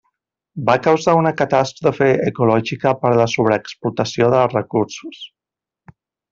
Va causar una catàstrofe ecològica per la sobreexplotació dels recursos.